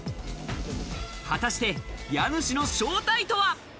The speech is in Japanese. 果たして、家主の正体とは？